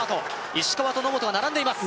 石川と野本が並んでいます